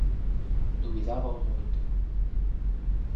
Dubidábao moito.